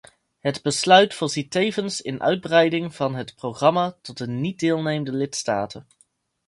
Het besluit voorziet tevens in uitbreiding van het programma tot de niet-deelnemende lidstaten.